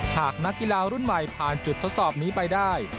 หากนักกีฬารุ่นใหม่ผ่านจุดทดสอบนี้ไปได้